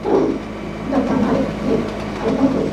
ঠিক আছে, আমি আরটিআই ফাইল করেছি।